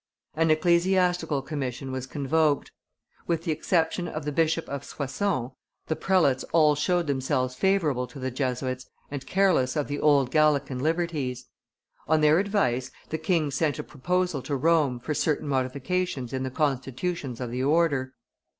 An ecclesiastical commission was convoked; with the exception of the Bishop of Soissons, the prelates all showed themselves favorable to the Jesuits and careless of the old Gallican liberties. On their advice, the king sent a proposal to Rome for certain modifications in the constitutions of the order.